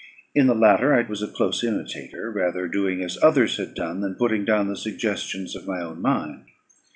In the latter I was a close imitator rather doing as others had done, than putting down the suggestions of my own mind.